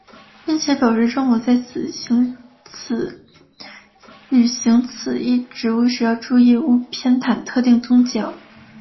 并且表示政府在履行此一职责时要注意勿偏袒特定宗教。